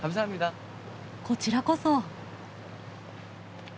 こちらこそ。